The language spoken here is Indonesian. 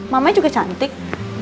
mamanya juga cantik